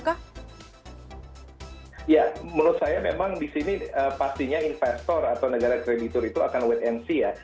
ya menurut saya memang di sini pastinya investor atau negara kreditur itu akan wait and see ya